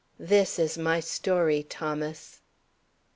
This is my story, Thomas.